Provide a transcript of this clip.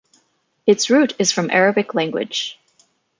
Its root is from Arabic language.